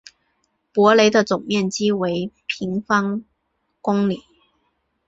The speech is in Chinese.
博雷的总面积为平方公里。